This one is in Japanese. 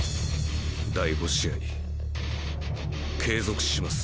第５試合継続します。